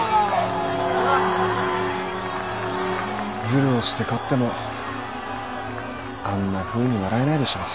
ずるをして勝ってもあんなふうに笑えないでしょう。